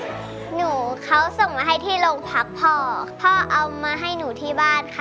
หนูเขาส่งมาให้ที่โรงพักพ่อพ่อเอามาให้หนูที่บ้านค่ะ